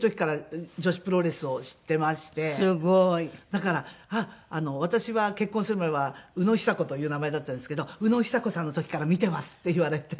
だから私は結婚する前は「宇野久子」という名前だったんですけど「宇野久子さんの時から見てます」って言われて。